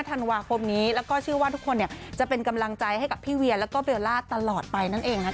ธันวาคมนี้แล้วก็เชื่อว่าทุกคนจะเป็นกำลังใจให้กับพี่เวียแล้วก็เบลล่าตลอดไปนั่นเองนะคะ